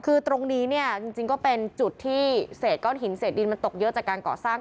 คือตรงนี้เนี่ยจริงก็เป็นจุดที่เศษก้อนหินเศษดินมันตกเยอะจากการก่อสร้าง